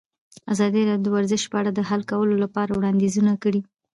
ازادي راډیو د ورزش په اړه د حل کولو لپاره وړاندیزونه کړي.